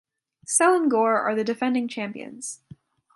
Selangor are the defending champions.